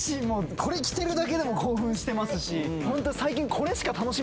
これ着てるだけでも興奮してますし。